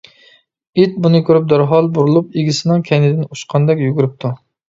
ئىت بۇنى كۆرۈپ، دەرھال بۇرۇلۇپ، ئىگىسىنىڭ كەينىدىن ئۇچقاندەك يۈگۈرۈپتۇ.